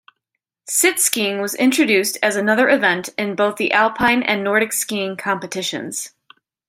Sit-skiing was introduced as another event in both the Alpine and Nordic skiing competitions.